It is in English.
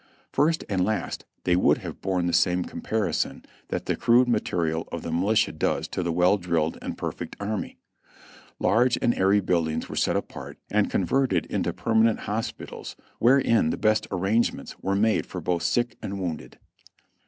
First and last they would have borne the same comparison that the crude material of the militia does to the well drilled and perfected army. Large and airy buildings were set apart and converted into permanent hos pitals wherein the best arrangements were made for both sick and wounded.